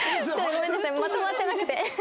ごめんなさいまとまってなくて。